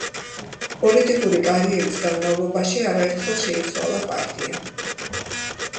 პოლიტიკური კარიერის განმავლობაში არაერთხელ შეიცვალა პარტია.